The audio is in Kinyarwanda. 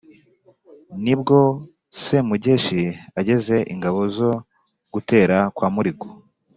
nibwo semugeshi ageze ingabo zo gutera kwa muligo.